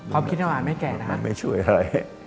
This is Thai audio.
ความคิดต่างไม่แก่นะครับมันไม่ช่วยอะไร